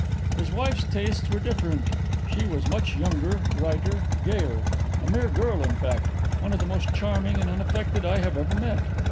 His wife's tastes were different; she was much younger, brighter, gayer; a mere girl in fact, one of the most charming and unaffected I have ever met.